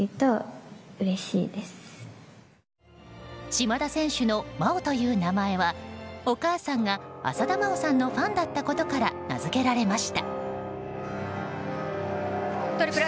島田選手の麻央という名前はお母さんが浅田真央さんのファンだったことから名づけられました。